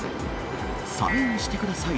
サインしてください。